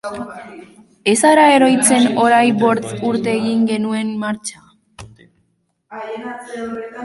Ez zara oroitzen orai bortz urte egin genuen martxa?.